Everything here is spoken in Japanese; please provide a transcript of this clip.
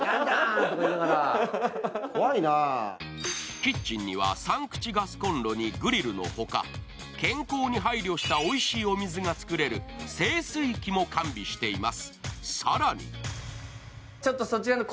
キッチンには３口ガスコンロにグリルのほか、健康に配慮したおいしいお水が作れる整水器も完備しています。